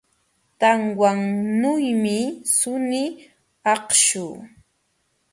Tanwanuymi suni akshu